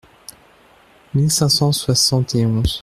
mille cinq cent soixante et onze).